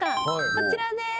こちらです。